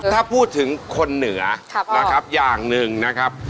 ถ้าพูดถึงคนเหนือนะครับอย่างหนึ่งนะครับ